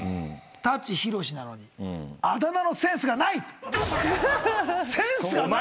舘ひろしなのにあだ名のセンスがない。